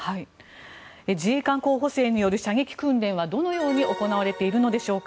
自衛官候補生による射撃訓練はどのように行われているのでしょうか。